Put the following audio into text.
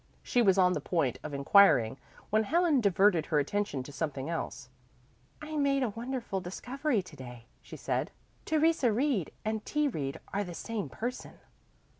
She was on the point of inquiring, when Helen diverted her attention to something else. "I made a wonderful discovery to day," she said. "Theresa Reed and T. Reed are the same person."